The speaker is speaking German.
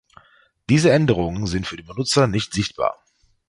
Diese Änderungen sind für den Benutzer nicht sichtbar.